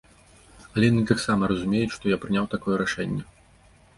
Але яны таксама разумеюць, што я прыняў такое рашэнне.